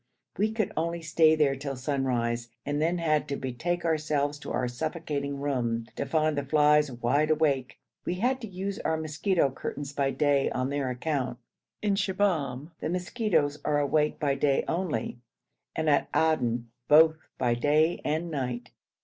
We could only stay there till sunrise, and then had to betake ourselves to our suffocating room, to find the flies wide awake. We had to use our mosquito curtains by day on their account. In Shibahm the mosquitoes are awake by day only, and at Aden both by day and night.